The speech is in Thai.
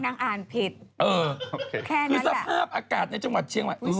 นางอ่านผิดแค่นั้นแหละคือสภาพอากาศในจังหวัดเชียงไว้